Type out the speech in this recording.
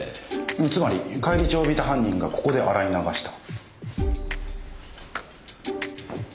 つまり返り血を浴びた犯人がここで洗い流した。